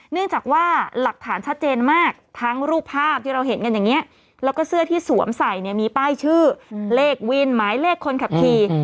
เนื่องจากว่าหลักฐานชัดเจนมากทั้งรูปภาพที่เราเห็นกันอย่างนี้แล้วก็เสื้อที่สวมใส่เนี่ยมีป้ายชื่อเลขวินหมายเลขคนขับขี่